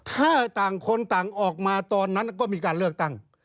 ถ้าต่างคนต่างออกมาตอนนั้นก็มีการเลือกตั้ง